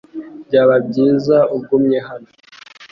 Byaba byiza ugumye hano .